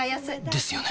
ですよね